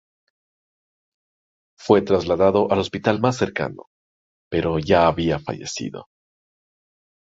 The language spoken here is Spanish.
Fue trasladado al hospital más cercano, pero ya había fallecido.